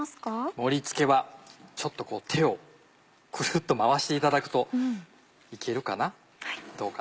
盛り付けはちょっとこう手をクルっと回していただくと行けるかなどうかな？